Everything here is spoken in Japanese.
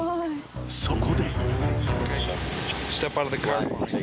［そこで］